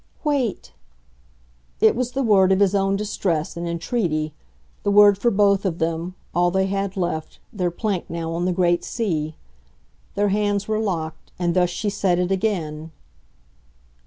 "Wait!" It was the word of his own distress and entreaty, the word for both of them, all they had left, their plank now on the great sea. Their hands were locked, and thus she said it again.